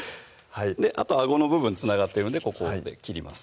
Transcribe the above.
あとあごの部分つながってるのでここで切ります